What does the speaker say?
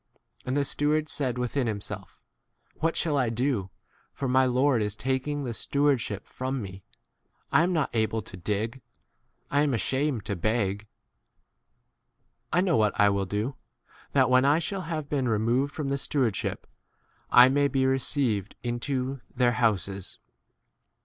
And the steward said within himself, What shall I do ; for my lord is taking the stewardship from me ? I am not able to dig ; I am asham 4 ed to beg. I know what I will do, that when I shall have been removed from the stewardship I may be received into their houses.